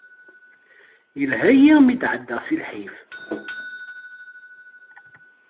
Ilha-yi mi d-ɛeddaɣ si lḥif.